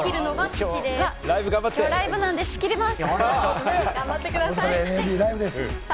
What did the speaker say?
ライブなんで仕切ります。